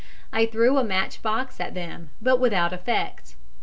I threw a matchbox at them, but without effect.